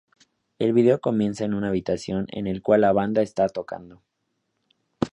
El video comienza en una habitación en la cual la banda está tocando.